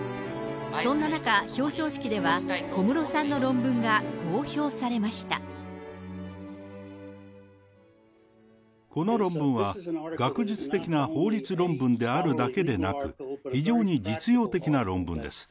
そんな中、表彰式では、この論文は、学術的な法律論文であるだけでなく、非常に実用的な論文です。